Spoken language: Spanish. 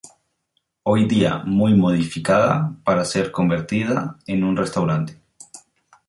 Hoy día muy modificada para ser convertida en un restaurante.